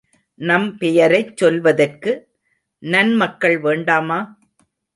நம்பெயரைச் சொல்வதற்கு நன்மக்கள் வேண்டாமா?